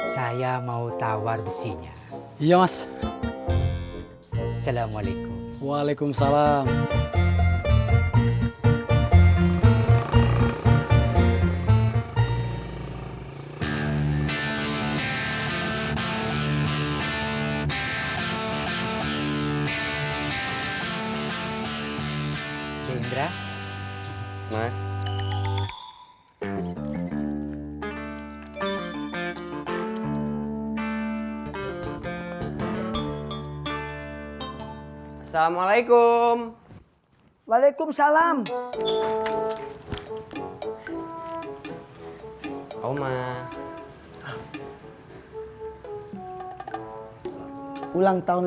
saya mau taruh di rumah kakaknya